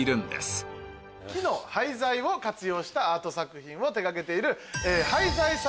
こちらの木の廃材を活用したアート作品を手がけている。